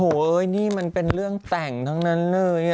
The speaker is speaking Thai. โอ้โหนี่มันเป็นเรื่องแต่งทั้งนั้นเลย